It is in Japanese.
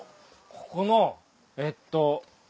ここのえっと。